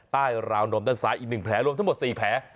ราวนมด้านซ้ายอีก๑แผลรวมทั้งหมด๔แผล